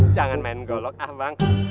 jangan main golok ah bang